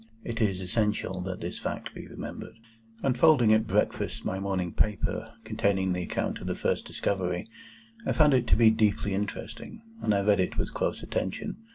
It is essential that this fact be remembered. Unfolding at breakfast my morning paper, containing the account of that first discovery, I found it to be deeply interesting, and I read it with close attention.